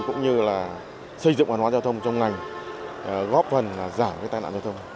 cũng như là xây dựng văn hóa giao thông trong ngành góp phần giảm tai nạn giao thông